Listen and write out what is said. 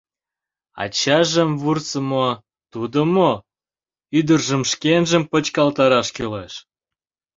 Ачажым вурсымо — тудо мо? — ӱдыржым шкенжым почкалтараш кӱлеш!